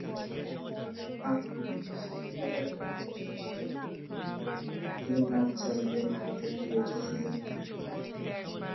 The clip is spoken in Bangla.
তার তিনি শিক্ষকতার দায়িত্ব শেষ করে, তিনি নাচ চালিয়ে ভারতে ফিরে এসেছিলেন।